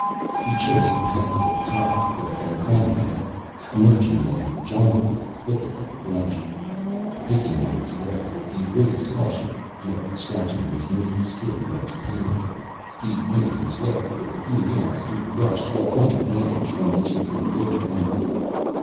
He chose a path to the top of the cliff and clambered up, emerging in a jungle like thicket of brush. Picking his way with the greatest caution, yet scratching his naked skin most painfully, he made his way for a few yards through the brush to a point of vantage from which he could look about.